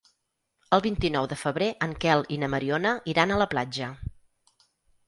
El vint-i-nou de febrer en Quel i na Mariona iran a la platja.